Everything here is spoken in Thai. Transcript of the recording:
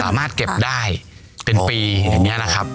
สามารถเก็บได้เป็นปีอย่างนี้นะครับ